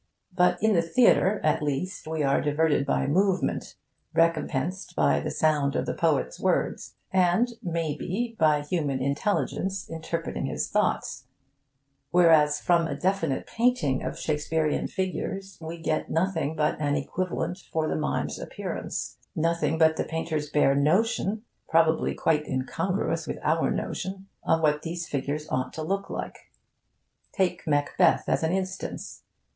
But in the theatre, at least, we are diverted by movement, recompensed by the sound of the poet's words and (may be) by human intelligence interpreting his thoughts; whereas from a definite painting of Shakespearean figures we get nothing but an equivalent for the mimes' appearance: nothing but the painter's bare notion (probably quite incongruous with our notion) of what these figures ought to look like. Take Macbeth as an instance.